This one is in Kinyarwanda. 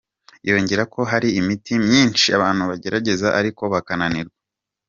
Yongerako ko hari imiti myinshi abantu bagerageza ariko bakananirwa.